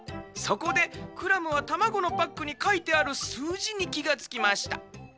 そこでクラムはたまごのパックにかいてあるすうじにきがつきました。